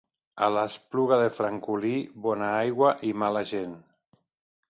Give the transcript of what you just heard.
A l'Espluga de Francolí, bona aigua i mala gent.